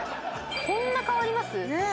こんな変わります？ねえ。